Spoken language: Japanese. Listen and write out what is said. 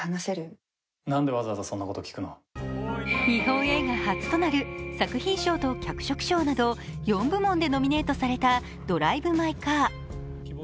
日本映画初となる作品賞と脚色賞など４部門でノミネートされた「ドライブ・マイ・カー」。